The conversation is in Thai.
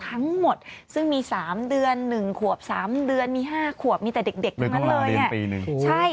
ทั้งหมดซึ่งมี๓เดือน๑ขวบ๓เดือนมี๕ขวบมีแต่เด็กทั้งนั้นเลย